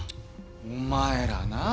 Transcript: お前らなあ。